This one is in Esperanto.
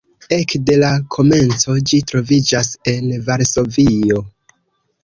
Ekde la komenco ĝi troviĝas en Varsovio.